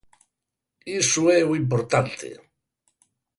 Iso é o importante.